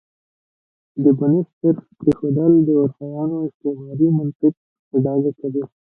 د بونیس ایرس پرېښودل د اروپایانو استعماري منطق په ډاګه کوي.